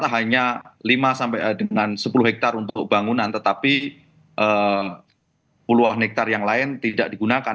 hanya lima sampai dengan sepuluh hektare untuk bangunan tetapi puluhan hektare yang lain tidak digunakan